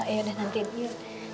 ya udah nanti dia